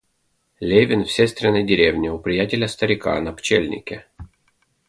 Левин в сестриной деревне у приятеля-старика на пчельнике.